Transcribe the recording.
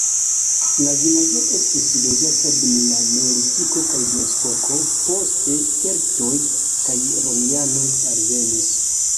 La vilaĝo estis loĝata dum la neolitiko kaj bronzepoko, poste keltoj kaj romianoj alvenis.